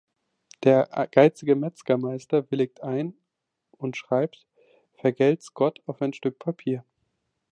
Der geizige Metzgermeister willigt ein und schreibt „"Vergelt’s Gott"“ auf ein Stück Papier.